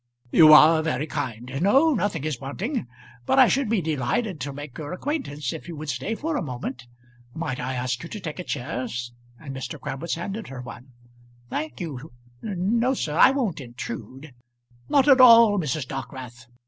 "You are very kind. No; nothing is wanting. But I should be delighted to make your acquaintance if you would stay for a moment. Might I ask you to take a chair?" and Mr. Crabwitz handed her one. "Thank you; no, sir I won't intrude." "Not at all, Mrs. Dockwrath.